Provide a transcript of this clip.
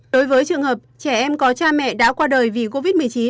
đối với trường hợp trẻ em có cha mẹ đã qua đời vì covid một mươi chín